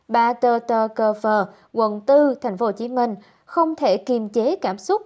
bà tơ tơ cơ phờ quận bốn tp hcm không thể kiềm chế cảm xúc